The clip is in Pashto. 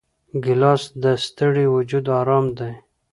ګیلاس د ستړي وجود آرام دی.